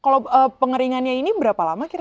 kalau pengeringannya ini berapa lama kira kira